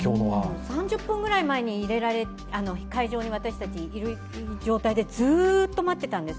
３０分ぐらい前に会場に私たちいる状態でずっと待ってたんです。